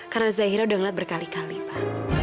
karena zaira udah ngeliat berkali kali pa